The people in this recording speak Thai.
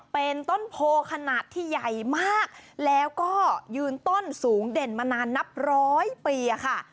เป็นต้นโพขนาดที่ใหญ่มากแล้วก็ยืนต้นสูงเด่นมานานนับร้อยปีค่ะ